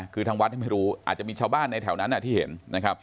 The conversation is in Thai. คือทางวัดไม่รู้อาจจะมีชาวบ้านในแถวนั้นที่เห็นนะครับ